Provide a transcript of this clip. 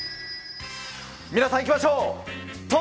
皆さん、いきましょう。